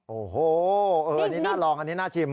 โอ้โหอันนี้น่าลองอันนี้น่าชิม